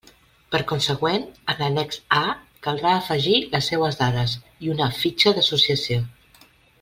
Per consegüent, en l'annex A caldrà afegir les seues dades i una "fitxa d'associació".